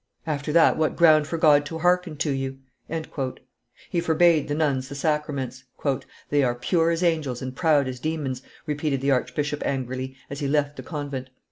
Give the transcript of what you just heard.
After that, what ground for God to hearken to you?" He forbade the nuns the sacraments. "They are pure as angels and proud as demons," repeated the archbishop angrily, as he left the convent.